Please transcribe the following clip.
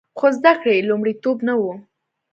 خو زده کړې لومړیتوب نه و